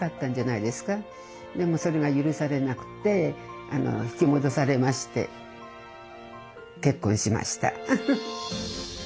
でもそれが許されなくて引き戻されまして結婚しました。